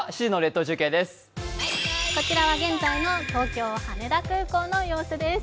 こちらは現在の東京・羽田空港の様子です。